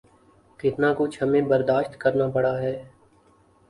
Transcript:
کتنا کچھ ہمیں برداشت کرنا پڑا ہے۔